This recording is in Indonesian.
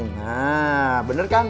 nah bener kan satu ratus sembilan